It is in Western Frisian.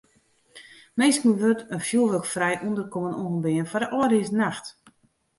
Minsken wurdt in fjoerwurkfrij ûnderkommen oanbean foar de âldjiersnacht.